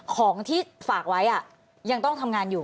ของที่ฝากไว้ยังต้องทำงานอยู่